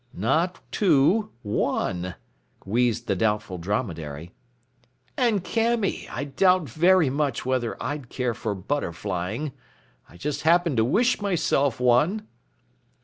"Not two one," wheezed the Doubtful Dromedary. "And Camy, I doubt very much whether I'd care for butterflying. I just happened to wish myself one!"